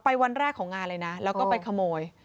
วันแรกของงานเลยนะแล้วก็ไปขโมย